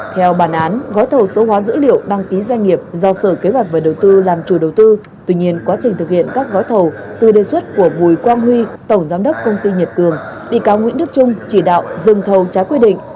theo bản án gói thầu số hóa dữ liệu đăng ký doanh nghiệp do sở kế hoạch và đầu tư làm chủ đầu tư tuy nhiên quá trình thực hiện các gói thầu từ đề xuất của bùi quang huy tổng giám đốc công ty nhật cường bị cáo nguyễn đức trung chỉ đạo dừng thầu trái quy định